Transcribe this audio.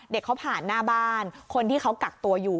เขาผ่านหน้าบ้านคนที่เขากักตัวอยู่